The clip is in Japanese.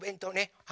はい。